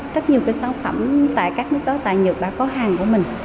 rất nhiều cái sản phẩm tại các nước đó tại nhật đã có hàng của mình